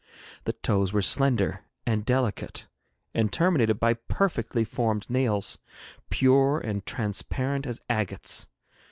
The toes were slender and delicate, and terminated by perfectly formed nails, pure and transparent as agates.